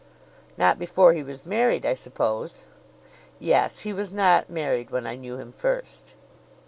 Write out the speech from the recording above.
"Not before he was married, I suppose?" "Yes; he was not married when I knew him first."